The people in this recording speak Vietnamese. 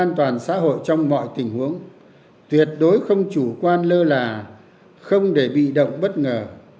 an toàn xã hội trong mọi tình huống tuyệt đối không chủ quan lơ là không để bị động bất ngờ